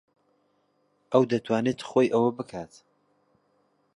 ئەو دەتوانێت خۆی ئەوە بکات.